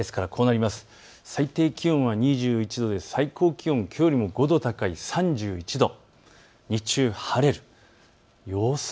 最低気温は２１度で最高気温、きょうより５度高い３１度、日中晴れます。